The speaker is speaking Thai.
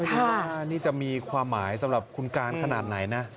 วินาทีนี้จะมีความหมายสำหรับขุนการขนาดไหนนะ